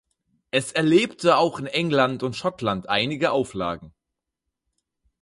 Es erlebte auch in England und Schottland einige Auflagen.